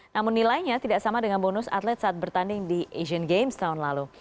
namun nilainya tidak sama dengan bonus atlet saat bertanding di asian games tahun lalu